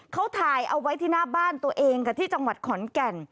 เขาถ่ายเอาไว้ที่หน้าบ้านตัวเองกับที่จังหวัดขอนแก่น